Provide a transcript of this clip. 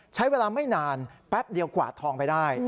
ใช้เวลาไม่นานแป๊บเดียวกวาดทองไปได้